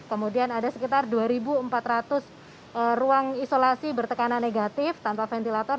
kemudian ada sekitar dua empat ratus ruang isolasi bertekanan negatif tanpa ventilator